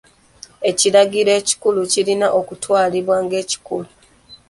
Ekirangiriro ekikulu kirina okutwalibwa ng'ekikulu.